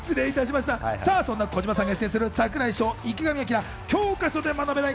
そんな児嶋さんが出演する『櫻井翔×池上彰教科書では学べない